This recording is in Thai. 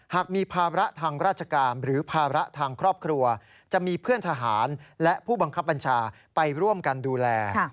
หากมีภาระทางราชการหรือภาระทางครอบครัวจะมีเพื่อนทหารและผู้บังคับบัญชาไปร่วมกันดูแล